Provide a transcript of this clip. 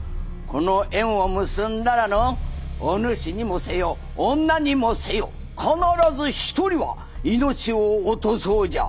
この縁を結んだらのおぬしにもせよ女にもせよ必ず一人は命を落とそうじゃ。